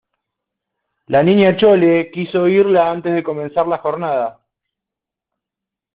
y la Niña Chole quiso oírla antes de comenzar la jornada.